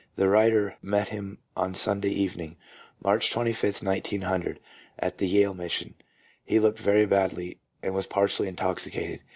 The writer met him on Sunday evening, March 25th, 1900, at the Yale Mission. He looked very badly, and was partially intoxicated.